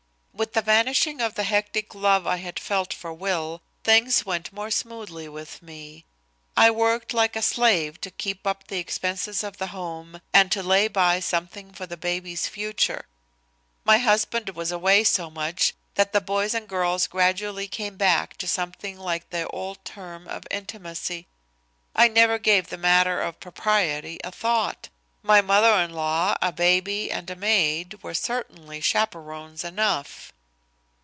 "With the vanishing of the hectic love I had felt for Will, things went more smoothly with me. I worked like a slave to keep up the expenses of the home and to lay by something for the baby's future. My husband was away so much that the boys and girls gradually came back to something like their old term of intimacy. I never gave the matter of propriety a thought. My mother in law, a baby and a maid, were certainly chaperons enough.